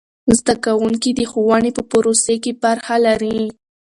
زده کوونکي د ښوونې په پروسې کې برخه لري.